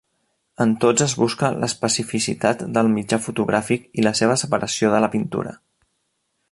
En tots es busca l'especificitat del mitjà fotogràfic i la seva separació de la pintura.